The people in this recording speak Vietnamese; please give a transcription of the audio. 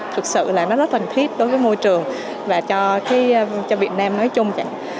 thực sự là nó rất làn thiết đối với môi trường và cho việt nam nói chung